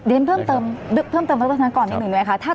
เดี๋ยวเพิ่มเติมรัฐบาลก่อนนิดหนึ่งด้วยค่ะ